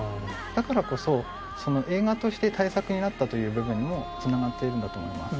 だからこそ映画として大作になったという部分にも繋がっているんだと思います。